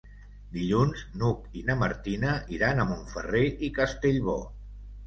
Dilluns n'Hug i na Martina iran a Montferrer i Castellbò.